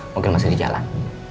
mungkin masih di jalan